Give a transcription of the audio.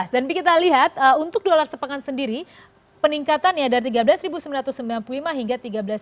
dan ini kita lihat untuk dolar sepekan sendiri peningkatannya dari tiga belas sembilan ratus sembilan puluh lima hingga tiga belas delapan ratus sembilan puluh